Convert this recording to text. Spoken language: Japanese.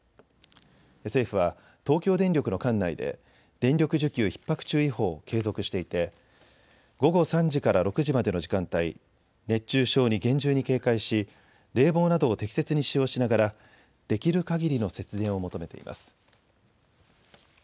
政府は東京電力の管内で電力需給ひっ迫注意報を継続していて午後３時から６時までの時間帯、熱中症に厳重に警戒し冷房などを適切に使用しながらできるかぎりの節電を求めています。